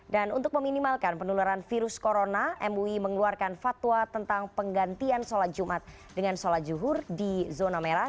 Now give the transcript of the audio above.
dan untuk meminimalkan penularan virus corona mui mengeluarkan fatwa tentang penggantian sholat jumat dengan sholat zuhur di zona merah